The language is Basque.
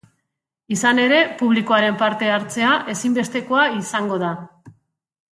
Izan ere, publikoaren parte hartzea ezinbestekoa izango da.